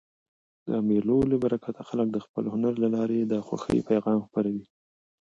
د مېلو له برکته خلک د خپل هنر له لاري د خوښۍ پیغام خپروي.